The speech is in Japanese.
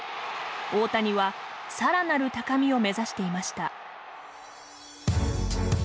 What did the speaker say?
大谷はさらなる高みを目指していました。